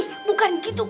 ih bukan gitu